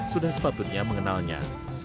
sudah sepatutnya mengenalnya